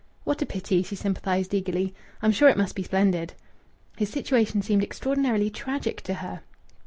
"What a pity!" she sympathized eagerly. "I'm sure it must be splendid." His situation seemed extraordinarily tragic to her.